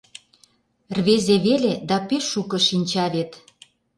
Рвезе веле да пеш шуко шинча вет.